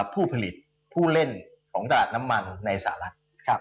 ผู้ผลิตผู้เล่นของตลาดน้ำมันในสหรัฐ